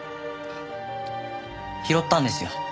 拾ったんですよ。